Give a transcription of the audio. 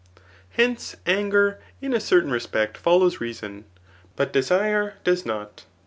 Hence,, anger in si certain respect follows reason ; but desire does not.